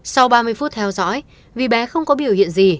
sau ba mươi phút theo dõi vì bé không có biểu hiện gì